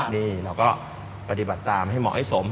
นี่เราก็ปฏิบัติตามให้เหมาะให้สม